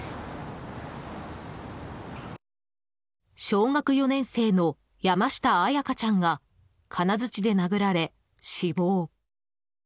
小学４年生の山下彩花ちゃんが金づちで殴られ死亡。